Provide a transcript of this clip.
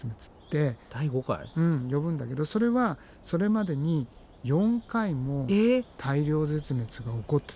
うん呼ぶんだけどそれはそれまでに４回も大量絶滅が起こってたんだよね。